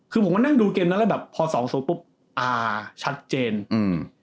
คือผมก็นั่งดูเกมนั้นแล้วแบบพอสองศูนย์ปุ๊บอ่าชัดเจนอืม